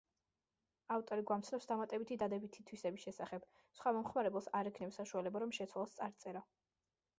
ავტორი გვამცნობს დამატებითი დადებითი თვისების შესახებ: სხვა მომხმარებელს არ ექნება საშუალება რომ შეცვალოს წარწერა.